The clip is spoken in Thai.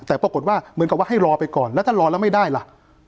แต่ปรากฏว่าเหมือนกับว่าให้รอไปก่อนแล้วถ้ารอแล้วไม่ได้ล่ะ